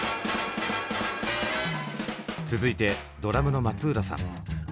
続いてドラムの松浦さん。